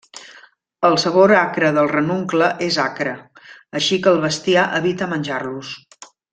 El sabor acre del ranuncle és acre, així que el bestiar evita menjar-los.